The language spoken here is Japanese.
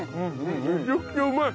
めちゃくちゃうまい。